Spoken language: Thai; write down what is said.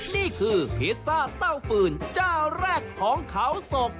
นี่คือพิซซ่าเต้าฟืนเจ้าแรกของเขาศก